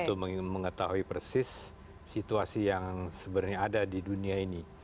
untuk mengetahui persis situasi yang sebenarnya ada di dunia ini